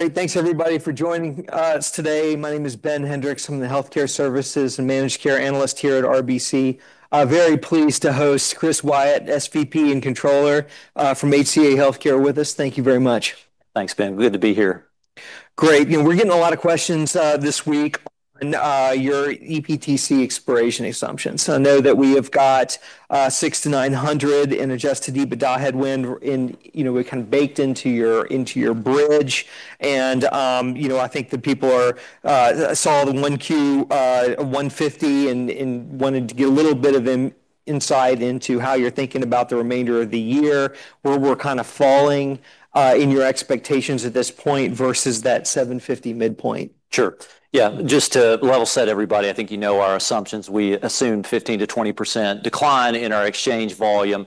Hey, thanks everybody for joining us today. My name is Ben Hendrix. I'm the healthcare services and managed care analyst here at RBC. Very pleased to host Chris Wyatt, SVP and Controller, from HCA Healthcare with us. Thank you very much. Thanks, Ben. Good to be here. Great. We're getting a lot of questions this week on your APTC expiration assumptions. I know that we have got $600-$900 in adjusted EBITDA headwind, we kind of baked into your bridge, and I think that people saw the 1Q, $150, and wanted to get a little bit of insight into how you're thinking about the remainder of the year, where we're kind of falling in your expectations at this point versus that $750 midpoint. Sure. Yeah. Just to level set everybody, I think you know our assumptions. We assumed 15%-20% decline in our exchange volume,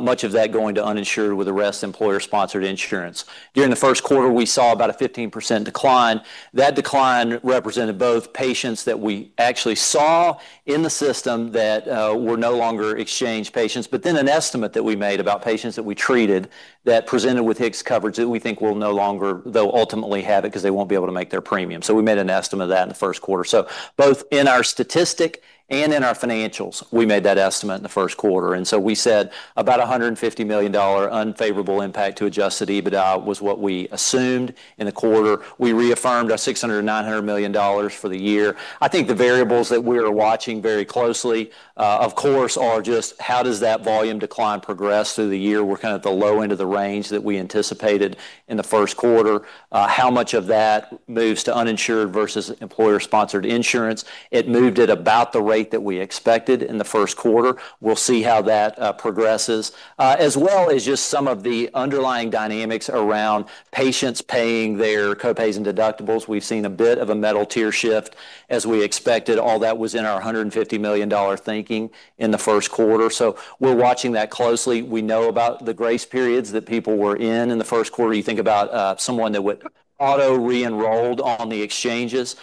much of that going to uninsured with the rest employer-sponsored insurance. During the first quarter, we saw about a 15% decline. That decline represented both patients that we actually saw in the system that were no longer exchange patients, an estimate that we made about patients that we treated that presented with HIX coverage that we think they'll ultimately have it because they won't be able to make their premium. We made an estimate of that in the first quarter. Both in our statistic and in our financials, we made that estimate in the first quarter, we said about $150 million unfavorable impact to adjusted EBITDA was what we assumed in the quarter. We reaffirmed our $600 million-$900 million for the year. I think the variables that we are watching very closely, of course, are just how does that volume decline progress through the year? We're kind of at the low end of the range that we anticipated in the first quarter. How much of that moves to uninsured versus employer-sponsored insurance? It moved at about the rate that we expected in the first quarter. We'll see how that progresses. As well as just some of the underlying dynamics around patients paying their co-pays and deductibles. We've seen a bit of a metal tier shift, as we expected. All that was in our $150 million thinking in the first quarter. We're watching that closely. We know about the grace periods that people were in the first quarter. You think about someone that would auto re-enrolled on the exchanges,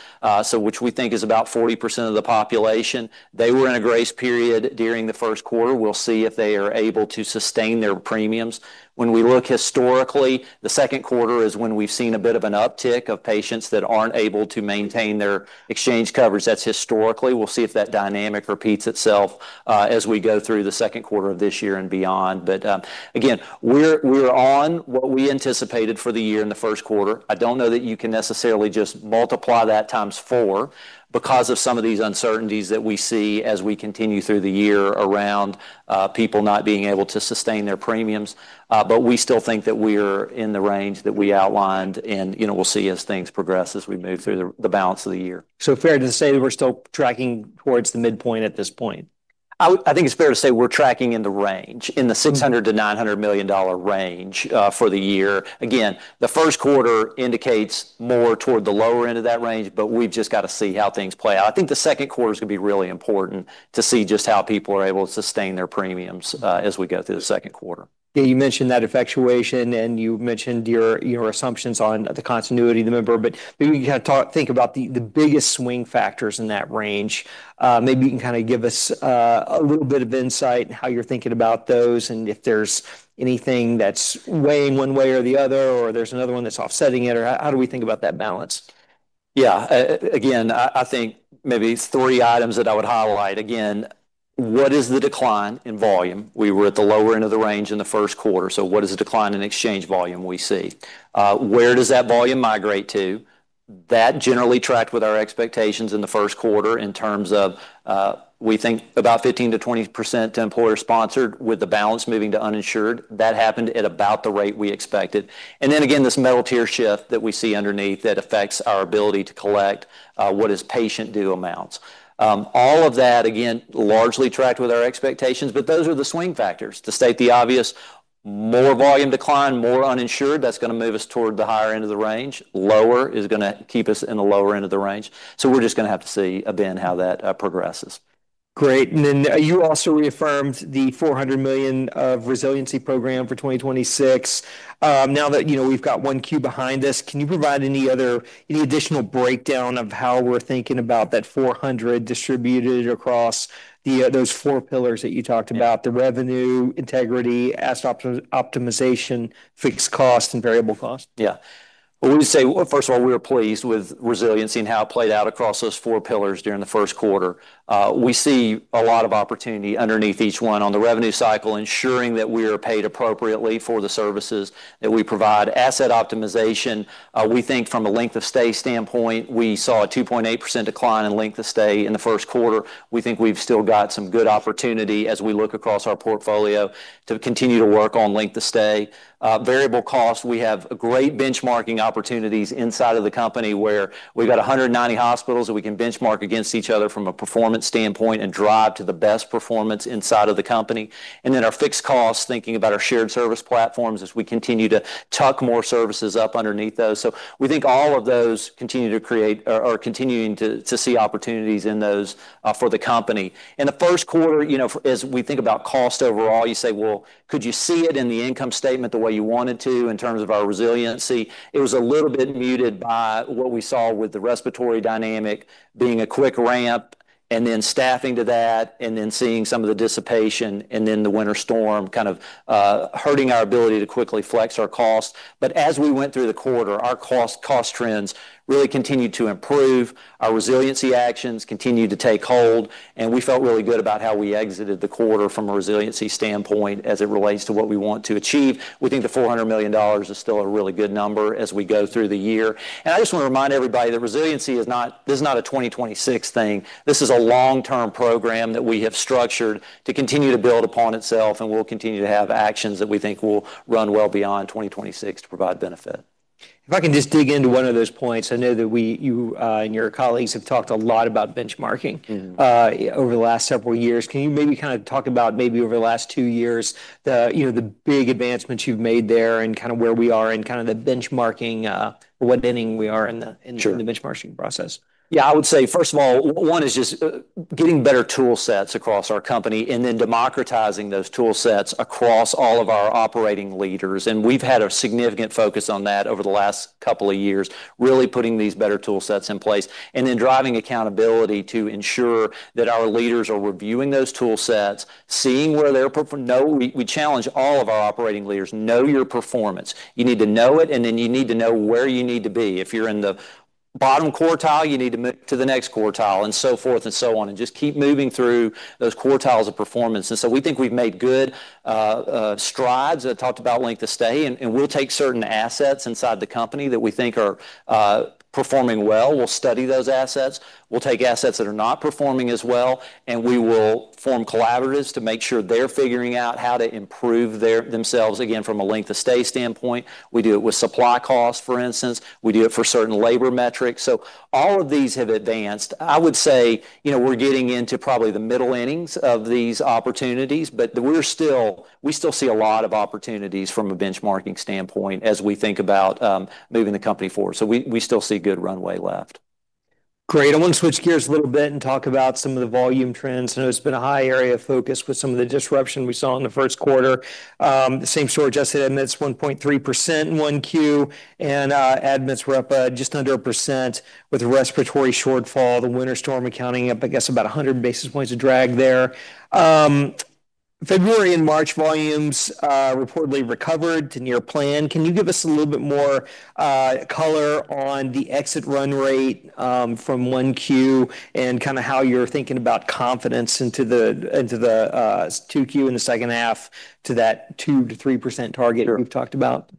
which we think is about 40% of the population. They were in a grace period during the first quarter. We'll see if they are able to sustain their premiums. When we look historically, the second quarter is when we've seen a bit of an uptick of patients that aren't able to maintain their exchange coverage. That's historically. We'll see if that dynamic repeats itself as we go through the second quarter of this year and beyond. Again, we're on what we anticipated for the year in the first quarter. I don't know that you can necessarily just multiply that x4 because of some of these uncertainties that we see as we continue through the year around people not being able to sustain their premiums. We still think that we're in the range that we outlined, and we'll see as things progress as we move through the balance of the year. Fair to say that we're still tracking towards the midpoint at this point? I think it's fair to say we're tracking in the range, in the $600 million-$900 million range for the year. Again, the first quarter indicates more toward the lower end of that range, but we've just got to see how things play out. I think the second quarter is going to be really important to see just how people are able to sustain their premiums, as we go through the second quarter. Yeah, you mentioned that effectuation, you mentioned your assumptions on the continuity of the member. Maybe you can kind of think about the biggest swing factors in that range. Maybe you can kind of give us a little bit of insight in how you're thinking about those and if there's anything that's weighing one way or the other, or there's another one that's offsetting it, or how do we think about that balance? Again, I think maybe three items that I would highlight. Again, what is the decline in volume? We were at the lower end of the range in the first quarter. What is the decline in exchange volume we see? Where does that volume migrate to? That generally tracked with our expectations in the first quarter in terms of, we think about 15%-20% to employer-sponsored with the balance moving to uninsured. That happened at about the rate we expected. Then again, this metal tier shift that we see underneath that affects our ability to collect what is patient due amounts. All of that, again, largely tracked with our expectations, but those are the swing factors. To state the obvious, more volume decline, more uninsured, that's going to move us toward the higher end of the range. Lower is going to keep us in the lower end of the range. We're just going to have to see, Ben, how that progresses. Great. You also reaffirmed the $400 million of resiliency program for 2026. Now that we've got 1Q behind us, can you provide any additional breakdown of how we're thinking about that $400 million distributed across those four pillars that you talked about, the revenue, integrity, asset optimization, fixed cost, and variable cost? Well, we say, first of all, we were pleased with resiliency and how it played out across those four pillars during the first quarter. We see a lot of opportunity underneath each one. On the revenue cycle, ensuring that we are paid appropriately for the services that we provide. Asset optimization, we think from a length of stay standpoint, we saw a 2.8% decline in length of stay in the first quarter. We think we've still got some good opportunity as we look across our portfolio to continue to work on length of stay. Variable cost, we have great benchmarking opportunities inside of the company where we've got 190 hospitals that we can benchmark against each other from a performance standpoint and drive to the best performance inside of the company. Then our fixed costs, thinking about our shared service platforms as we continue to tuck more services up underneath those. We think all of those are continuing to see opportunities in those for the company. In the first quarter, as we think about cost overall, you say, well, could you see it in the income statement the way you wanted to in terms of our resiliency? It was a little bit muted by what we saw with the respiratory dynamic being a quick ramp and then staffing to that and then seeing some of the dissipation and then the winter storm kind of hurting our ability to quickly flex our cost. As we went through the quarter, our cost trends really continued to improve. Our resiliency actions continued to take hold, and we felt really good about how we exited the quarter from a resiliency standpoint as it relates to what we want to achieve. We think the $400 million is still a really good number as we go through the year. I just want to remind everybody that resiliency, this is not a 2026 thing. This is a long-term program that we have structured to continue to build upon itself, and we'll continue to have actions that we think will run well beyond 2026 to provide benefit. If I can just dig into one of those points. I know that you and your colleagues have talked a lot about benchmarking over the last several years. Can you maybe talk about over the last two years, the big advancements you've made there and where we are in the benchmarking, what inning we are in the benchmarking process? I would say, first of all, one is just getting better tool sets across our company and then democratizing those tool sets across all of our operating leaders. We've had a significant focus on that over the last couple of years, really putting these better tool sets in place and then driving accountability to ensure that our leaders are reviewing those tool sets, seeing where their performance. We challenge all of our operating leaders, know your performance. You need to know it, and then you need to know where you need to be. If you're in the bottom quartile, you need to move to the next quartile, and so forth and so on, and just keep moving through those quartiles of performance. We think we've made good strides. I talked about length of stay, and we'll take certain assets inside the company that we think are performing well. We'll study those assets. We'll take assets that are not performing as well, and we will form collaboratives to make sure they're figuring out how to improve themselves, again, from a length of stay standpoint. We do it with supply costs, for instance. We do it for certain labor metrics. All of these have advanced. I would say, we're getting into probably the middle innings of these opportunities, but we still see a lot of opportunities from a benchmarking standpoint as we think about moving the company forward. We still see good runway left. Great. I want to switch gears a little bit and talk about some of the volume trends. I know it's been a high area of focus with some of the disruption we saw in the first quarter. Same-store adjusted admits 1.3% in 1Q, and admits were up just under 1% with a respiratory shortfall, the winter storm accounting up, I guess, about 100 basis points of drag there. February and March volumes reportedly recovered to near plan. Can you give us a little bit more color on the exit run rate from 1Q and how you're thinking about confidence into the 2Q and the second half to that 2%-3% target we've talked about?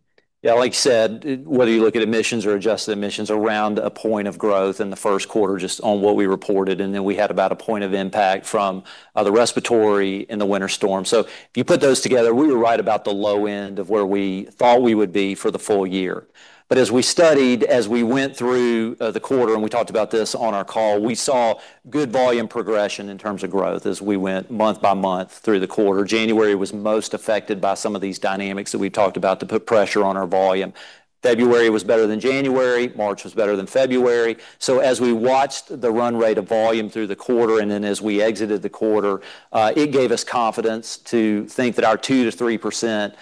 Yeah, like you said, whether you look at admissions or adjusted admissions around a point of growth in the first quarter, just on what we reported, and then we had about a point of impact from the respiratory and the winter storm. If you put those together, we were right about the low end of where we thought we would be for the full year. As we studied, as we went through the quarter, and we talked about this on our call, we saw good volume progression in terms of growth as we went month-by-month through the quarter. January was most affected by some of these dynamics that we talked about to put pressure on our volume. February was better than January. March was better than February. As we watched the run rate of volume through the quarter and then as we exited the quarter, it gave us confidence to think that our 2%-3%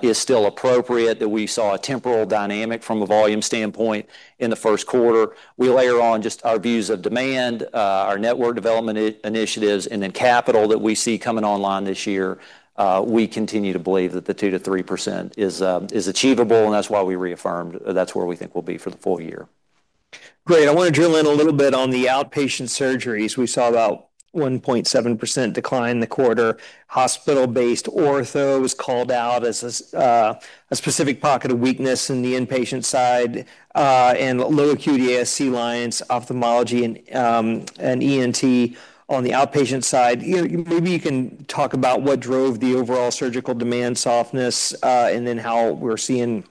is still appropriate, that we saw a temporal dynamic from a volume standpoint in the first quarter. We layer on just our views of demand, our network development initiatives, and then capital that we see coming online this year. We continue to believe that the 2%-3% is achievable, and that's why we reaffirmed that's where we think we'll be for the full year. Great. I want to drill in a little bit on the outpatient surgeries. We saw about 1.7% decline in the quarter. Hospital-based ortho was called out as a specific pocket of weakness in the inpatient side, and lower acuity ASC lines, ophthalmology, and ENT on the outpatient side. Maybe you can talk about what drove the overall surgical demand softness and then how we're seeing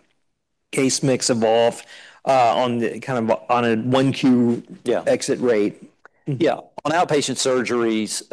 case mix evolve on a 1Q exit rate. Yeah. On outpatient surgeries,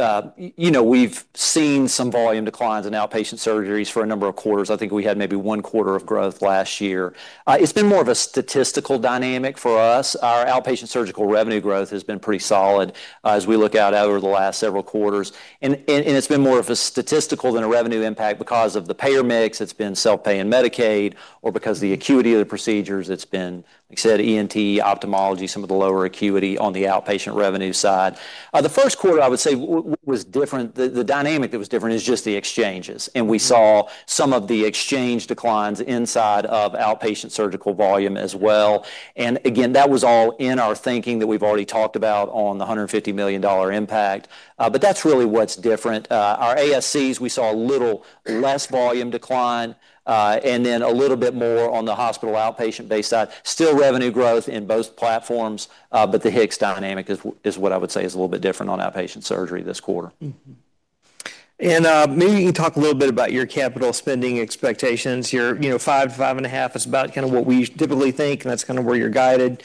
we've seen some volume declines in outpatient surgeries for a number of quarters. I think we had maybe one quarter of growth last year. It's been more of a statistical dynamic for us. Our outpatient surgical revenue growth has been pretty solid as we look out over the last several quarters. It's been more of a statistical than a revenue impact because of the payer mix. It's been self-pay and Medicaid or because the acuity of the procedures. It's been, like I said, ENT, ophthalmology, some of the lower acuity on the outpatient revenue side. The first quarter, I would say, the dynamic that was different is just the exchanges. We saw some of the exchange declines inside of outpatient surgical volume as well. Again, that was all in our thinking that we've already talked about on the $150 million impact. That's really what's different. Our ASCs, we saw a little less volume decline, and then a little bit more on the hospital outpatient base side. Still revenue growth in both platforms, but the HIX dynamic is what I would say is a little bit different on outpatient surgery this quarter. Maybe you can talk a little bit about your capital spending expectations. Your $5 billion-$5.5 billion is about what we typically think, and that's kind of where you're guided.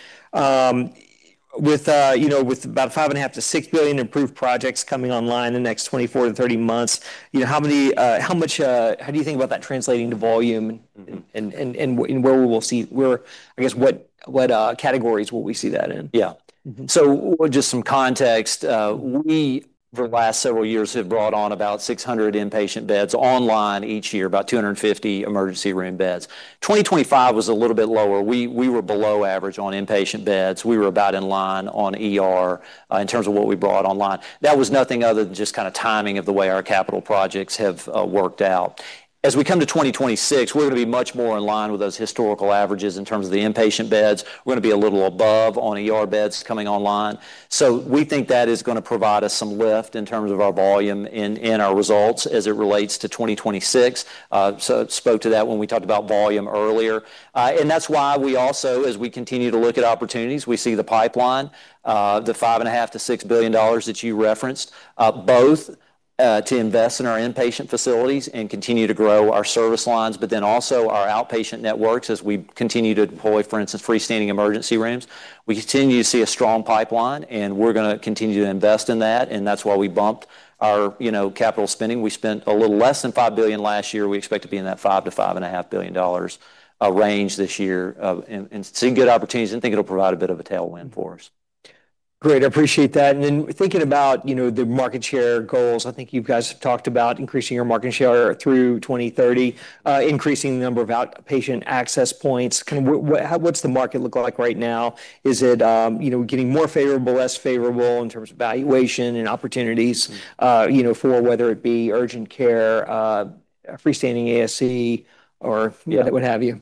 With about $5.5 billion-$6 billion approved projects coming online in the next 24 to 30 months, how do you think about that translating to volume? I guess what categories will we see that in? Just some context. We, for the last several years, have brought on about 600 inpatient beds online each year, about 250 emergency room beds. 2025 was a little bit lower. We were below average on inpatient beds. We were about in line on ER in terms of what we brought online. That was nothing other than just kind of timing of the way our capital projects have worked out. As we come to 2026, we're going to be much more in line with those historical averages in terms of the inpatient beds. We're going to be a little above on ER beds coming online. We think that is going to provide us some lift in terms of our volume and our results as it relates to 2026. Spoke to that when we talked about volume earlier. That's why we also, as we continue to look at opportunities, we see the pipeline, the $5.5 billion-$6 billion that you referenced. Both to invest in our inpatient facilities and continue to grow our service lines, also our outpatient networks as we continue to deploy, for instance, freestanding emergency rooms. We continue to see a strong pipeline, and we're going to continue to invest in that, and that's why we bumped our capital spending. We spent a little less than $5 billion last year. We expect to be in that $5 billion-$5.5 billion range this year and seeing good opportunities and think it'll provide a bit of a tailwind for us. Great. I appreciate that. In thinking about the market share goals, I think you guys have talked about increasing your market share through 2030, increasing the number of outpatient access points. What's the market look like right now? Is it getting more favorable, less favorable in terms of valuation and opportunities for whether it be urgent care, freestanding ASC or what have you?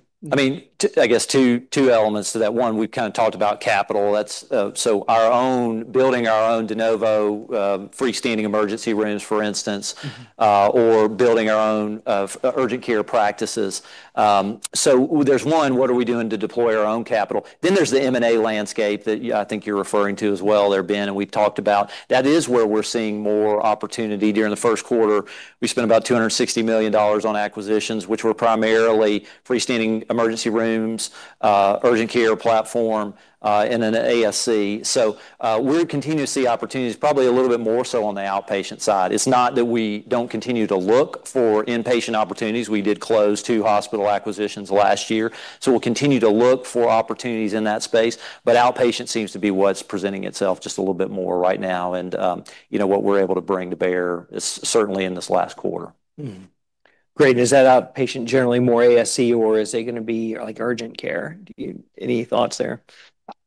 I guess two elements to that. One, we've kind of talked about capital. Building our own de novo freestanding emergency rooms, for instance, or building our own urgent care practices. There's one, what are we doing to deploy our own capital? There's the M&A landscape that I think you're referring to as well there, Ben, and we've talked about. That is where we're seeing more opportunity during the first quarter. We spent about $260 million on acquisitions, which were primarily freestanding emergency rooms, urgent care platform, and then ASC. We continue to see opportunities, probably a little bit more so on the outpatient side. It's not that we don't continue to look for inpatient opportunities. We did close two hospital acquisitions last year, so we'll continue to look for opportunities in that space. Outpatient seems to be what's presenting itself just a little bit more right now, and what we're able to bring to bear is certainly in this last quarter. Great. Is that outpatient generally more ASC or is it going to be urgent care? Any thoughts there?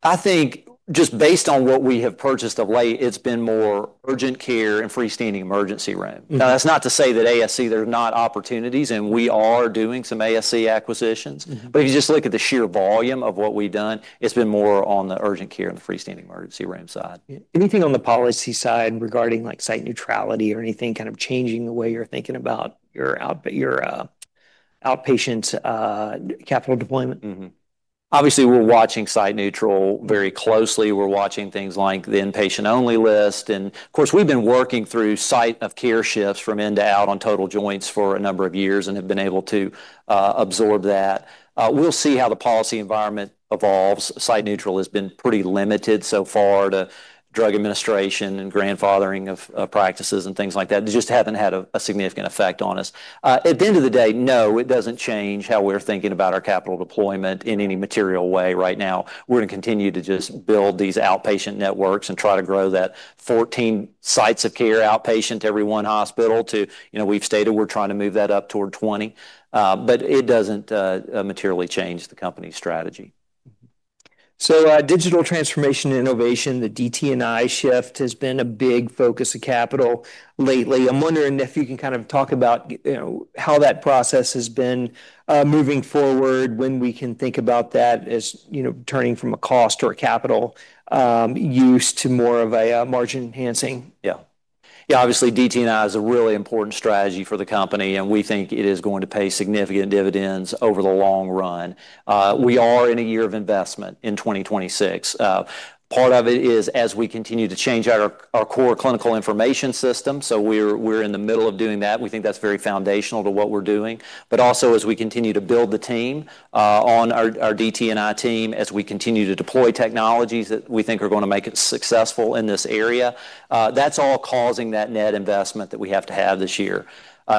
I think just based on what we have purchased of late, it's been more urgent care and freestanding emergency room. That's not to say that ASC, there's not opportunities, and we are doing some ASC acquisitions. If you just look at the sheer volume of what we've done, it's been more on the urgent care and the freestanding emergency room side. Anything on the policy side regarding site neutrality or anything kind of changing the way you're thinking about your outpatient capital deployment? Obviously, we're watching site neutral very closely. We're watching things like the inpatient-only list. Of course, we've been working through site of care shifts from in to out on total joints for a number of years and have been able to absorb that. We'll see how the policy environment evolves. Site neutral has been pretty limited so far to drug administration and grandfathering of practices and things like that. They just haven't had a significant effect on us. At the end of the day, no, it doesn't change how we're thinking about our capital deployment in any material way right now. We're going to continue to just build these outpatient networks and try to grow that 14 sites of care outpatient to every one hospital to, we've stated we're trying to move that up toward 20. It doesn't materially change the company's strategy. Digital transformation and innovation, the DT&I shift has been a big focus of capital lately. I'm wondering if you can kind of talk about how that process has been moving forward, when we can think about that as turning from a cost or a capital use to more of a margin-enhancing? Yeah. Obviously, DT&I is a really important strategy for the company, and we think it is going to pay significant dividends over the long run. We are in a year of investment in 2026. Part of it is as we continue to change out our core clinical information system, so we're in the middle of doing that. We think that's very foundational to what we're doing. Also, as we continue to build the team on our DT&I team, as we continue to deploy technologies that we think are going to make it successful in this area, that's all causing that net investment that we have to have this year.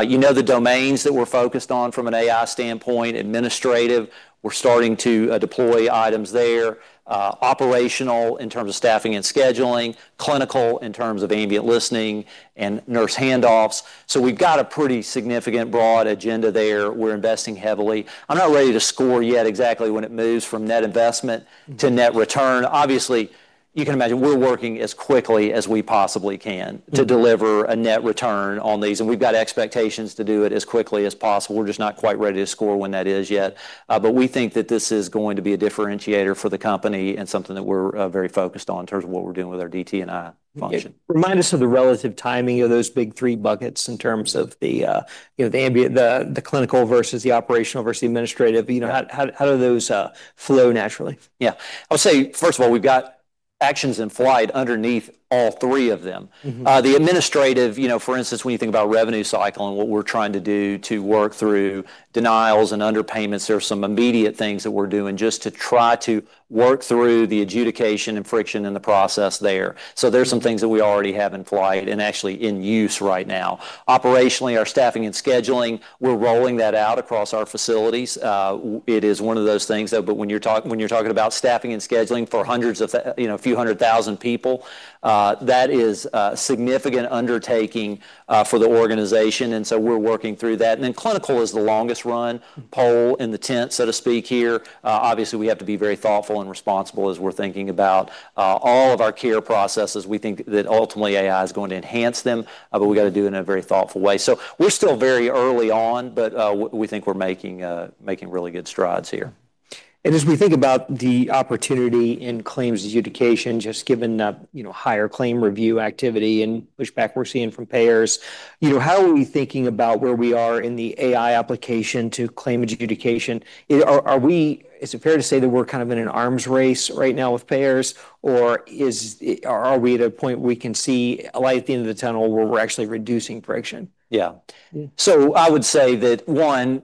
You know the domains that we're focused on from an AI standpoint, administrative, we're starting to deploy items there, operational, in terms of staffing and scheduling, and clinical, in terms of ambient listening and nurse handoffs. We've got a pretty significant broad agenda there. We're investing heavily. I'm not ready to score yet exactly when it moves from net investment to net return. Obviously, you can imagine we're working as quickly as we possibly can to deliver a net return on these, and we've got expectations to do it as quickly as possible. We're just not quite ready to score when that is yet. We think that this is going to be a differentiator for the company and something that we're very focused on in terms of what we're doing with our DT&I function. Remind us of the relative timing of those big three buckets in terms of the clinical versus the operational versus the administrative. How do those flow naturally? Yeah. I'll say, first of all, we've got actions in flight underneath all three of them. The administrative, for instance, when you think about revenue cycle and what we're trying to do to work through denials and underpayments, there's some immediate things that we're doing just to try to work through the adjudication and friction in the process there. There's some things that we already have in flight and actually in use right now. Operationally, our staffing and scheduling, we're rolling that out across our facilities. It is one of those things, though, but when you're talking about staffing and scheduling for a few hundred thousand people, that is a significant undertaking for the organization, and so we're working through that. Then clinical is the longest run pole in the tent, so to speak here. Obviously, we have to be very thoughtful and responsible as we're thinking about all of our care processes. We think that ultimately AI is going to enhance them, but we got to do it in a very thoughtful way. We're still very early on, but we think we're making really good strides here. As we think about the opportunity in claims adjudication, just given the higher claim review activity and pushback we're seeing from payers, how are we thinking about where we are in the AI application to claim adjudication? Is it fair to say that we're kind of in an arms race right now with payers, or are we at a point we can see a light at the end of the tunnel where we're actually reducing friction? Yeah. I would say that, one,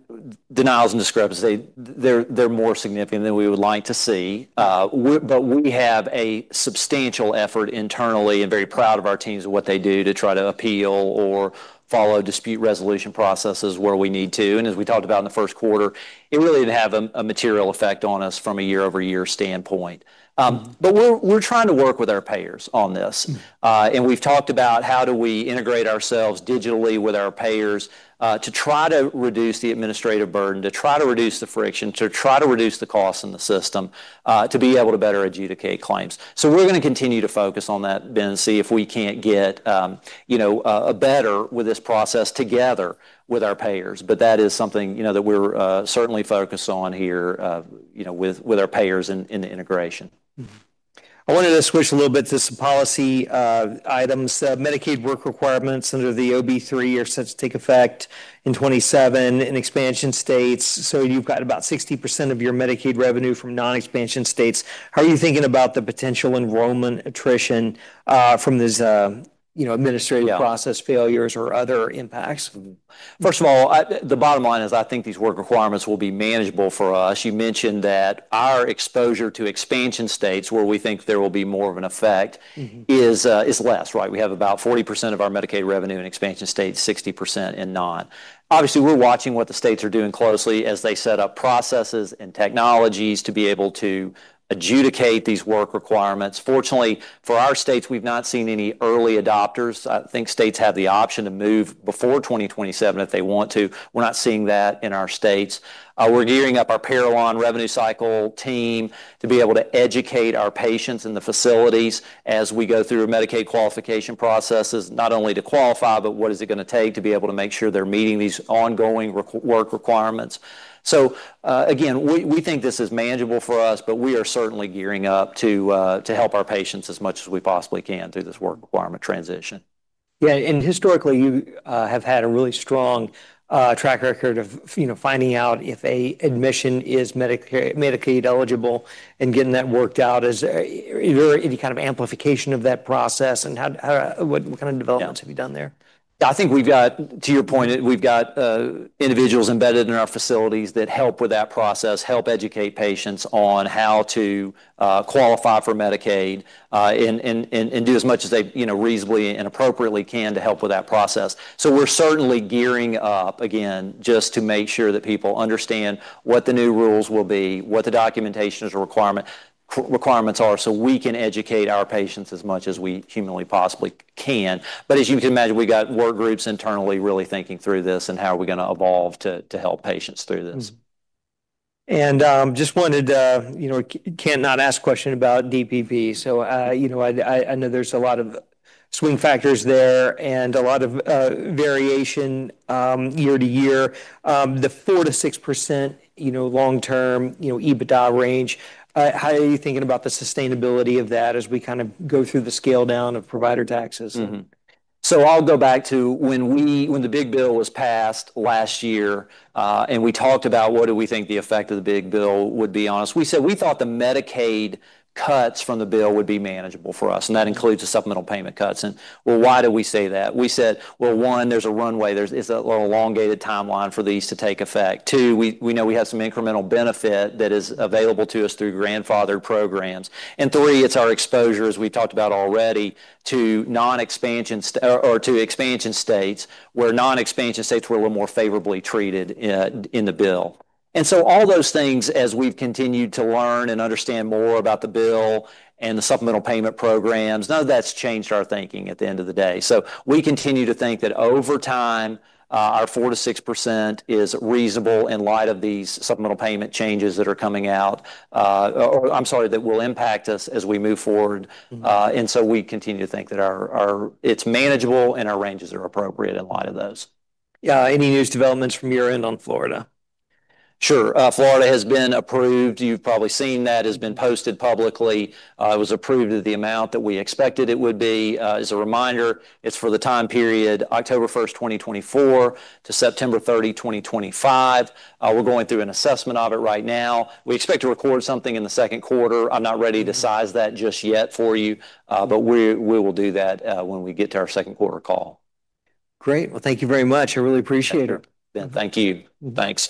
denials and discrepancies, they're more significant than we would like to see. We have a substantial effort internally and very proud of our teams and what they do to try to appeal or follow dispute resolution processes where we need to. As we talked about in the first quarter, it really didn't have a material effect on us from a year-over-year standpoint. We're trying to work with our payers on this. We've talked about how do we integrate ourselves digitally with our payers, to try to reduce the administrative burden, to try to reduce the friction, to try to reduce the cost in the system, to be able to better adjudicate claims. We're going to continue to focus on that, Ben, and see if we can't get better with this process together with our payers. That is something that we're certainly focused on here, with our payers in the integration. I wanted to switch a little bit to some policy items. Medicaid work requirements under the OB3 are set to take effect in 2027 in expansion states. You've got about 60% of your Medicaid revenue from non-expansion states. How are you thinking about the potential enrollment attrition from these administrative process failures or other impacts? First of all, the bottom line is I think these work requirements will be manageable for us. You mentioned that our exposure to expansion states, where we think there will be more of an effect is less, right? We have about 40% of our Medicaid revenue in expansion states, 60% in not. We're watching what the states are doing closely as they set up processes and technologies to be able to adjudicate these work requirements. For our states, we've not seen any early adopters. I think states have the option to move before 2027 if they want to. We're not seeing that in our states. We're gearing up our Parallon revenue cycle team to be able to educate our patients in the facilities as we go through Medicaid qualification processes, not only to qualify, but what is it going to take to be able to make sure they're meeting these ongoing work requirements. Again, we think this is manageable for us, but we are certainly gearing up to help our patients as much as we possibly can through this work requirement transition. Yeah. Historically, you have had a really strong track record of finding out if an admission is Medicaid eligible and getting that worked out. Is there any kind of amplification of that process? Have you done there? I think we've got, to your point, we've got individuals embedded in our facilities that help with that process, help educate patients on how to qualify for Medicaid, and do as much as they reasonably and appropriately can to help with that process. We're certainly gearing up, again, just to make sure that people understand what the new rules will be, what the documentation requirements are, so we can educate our patients as much as we humanly possibly can. As you can imagine, we got work groups internally really thinking through this and how are we going to evolve to help patients through this. You cannot ask a question about DSH. I know there's a lot of swing factors there and a lot of variation year-to-year. The 4%-6% long-term EBITDA range, how are you thinking about the sustainability of that as we kind of go through the scale-down of provider taxes? I'll go back to when the big bill was passed last year, we talked about what do we think the effect of the big bill would be on us. We said we thought the Medicaid cuts from the bill would be manageable for us, that includes the supplemental payment cuts. Well, why did we say that? We said, well, one, there's a runway. There's a little elongated timeline for these to take effect. Two, we know we have some incremental benefit that is available to us through grandfathered programs. Three, it's our exposure, as we talked about already, to expansion states, where non-expansion states, where we're more favorably treated in the bill. All those things, as we've continued to learn and understand more about the bill and the supplemental payment programs, none of that's changed our thinking at the end of the day. We continue to think that over time, our 4%-6% is reasonable in light of these supplemental payment changes that are coming out, or I'm sorry, that will impact us as we move forward. We continue to think that it's manageable and our ranges are appropriate in light of those. Yeah. Any news, developments from your end on Florida? Sure. Florida has been approved. You've probably seen that. It has been posted publicly. It was approved at the amount that we expected it would be. As a reminder, it's for the time period October 1, 2024 to September 30, 2025. We're going through an assessment of it right now. We expect to record something in the second quarter. I'm not ready to size that just yet for you, but we will do that when we get to our second quarter call. Great. Well, thank you very much. I really appreciate it. Sure. Ben, thank you. Thanks.